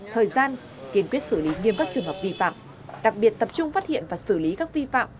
thời gian kiên quyết xử lý nghiêm các trường hợp vi phạm đặc biệt tập trung phát hiện và xử lý các vi phạm